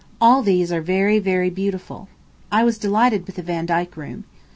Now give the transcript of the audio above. All these are very, very beautiful. I was delighted with the Vandyke Room.